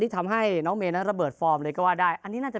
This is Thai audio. แต่ว่าเมย์ได้ทำให้ดีที่สุดค่ะ